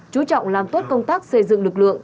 chú trọng làm tốt công tác xây dựng lực lượng